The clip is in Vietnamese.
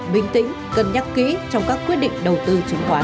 bình tĩnh cân nhắc kỹ trong các quyết định đầu tư chứng khoán